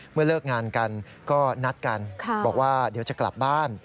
เลิกงานกันก็นัดกันบอกว่าเดี๋ยวจะกลับบ้าน